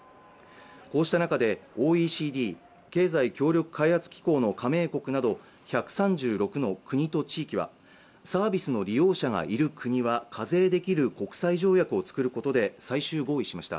こうした中でＯＥＣＤ＝経済協力開発機構の加盟国など１３６の国と地域はサービスの利用者がいる国は課税できる国際条約を作ることで最終合意しました